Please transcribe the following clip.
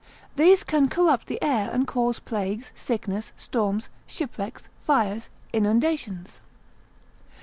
These can corrupt the air, and cause plagues, sickness, storms, shipwrecks, fires, inundations.